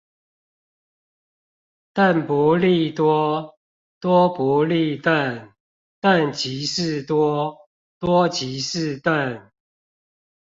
鄧不利多，多不利鄧。鄧即是多，多即是鄧